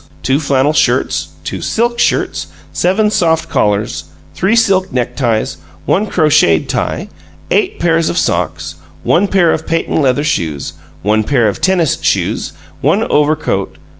Two flannel shirts. Two silk shirts. Seven soft collars. Three silk neckties. One crocheted tie. Eight pairs of socks. One pair of patent leather shoes. One pair of tennis shoes. One overcoat.